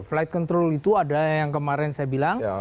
flight control itu ada yang kemarin saya bilang